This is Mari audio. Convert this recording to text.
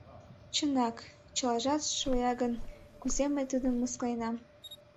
— Чынак, чылажат шоя гын, кузе мый тудым мыскыленам!